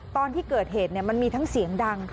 ตอนที่เกิดเหตุมันมีทั้งเสียงดัง